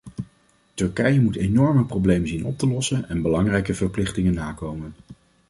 Turkije moet enorme problemen zien op te lossen en belangrijke verplichtingen nakomen.